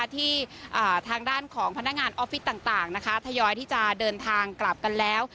ที่ทางด้านของพนักงานออฟฟิศต่างทยอยที่จะเดินทางกลับกันแล้ว